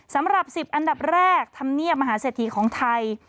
สำหรับ๑๐อันดับแรกธรรมเนียบมหาเศรษฐีของไทย